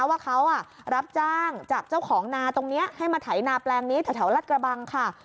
ว่าเขารับจ้างจากเจ้าของนาตรงนี้ให้มาไถนาแปลงนี้แถวรัฐกระบังค่ะ